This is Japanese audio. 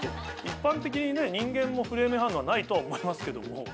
一般的に人間もフレーメン反応はないとは思いますけども。